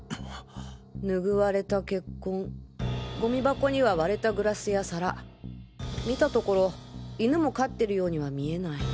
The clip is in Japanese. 拭われた血痕ゴミ箱には割れたグラスや皿見たところ犬も飼ってるようには見えない。